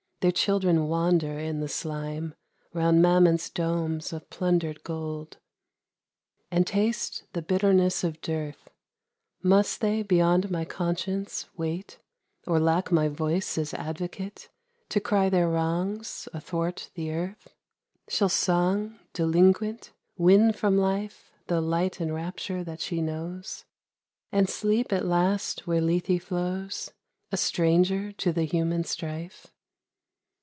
Their children wander in the slime Round Mammon s domes of plundered gold, And taste the bitterness of dearth. Must they beyond my conscience wait, Or lack my voice as advocate To cry their wrongs athwart the earth ? Shall Song, delinquent, win from life The light and rapture that she knows, And sleep at last where Lethe flows ', A stranger to the human strife